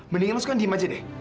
mendingan lu suka diem aja deh